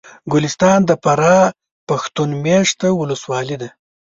ګلستان د فراه پښتون مېشته ولسوالي ده